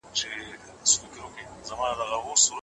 که قاچاقي توکي ونیول سي، نو ملي اقتصاد نه زیانمن کیږي.